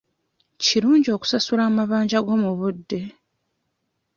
Kirungi okusasula amabanja go mu budde.